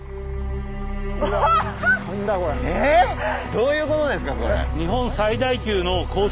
どういうことですかこれ。